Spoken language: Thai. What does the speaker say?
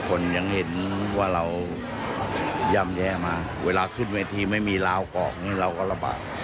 คนยังเห็นว่าไว้ย่ำแย่มากเวลาเราขึ้นทีไม่มีราวก้อกคงนี่เราก็ระบะ